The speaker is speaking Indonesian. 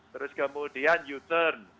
terus kemudian u turn